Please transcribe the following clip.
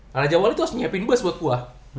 lalu jawabannya harus nyiapin bus buat gua